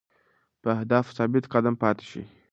په اهدافو ثابت قدم پاتې شئ.